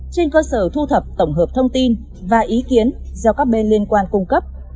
trên cơ sở thu thập tổng hợp thông tin và ý kiến do các bên liên quan cung cấp